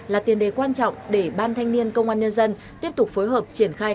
là tiền đề quan trọng để ban thanh niên công an nhân dân tiếp tục phối hợp triển khai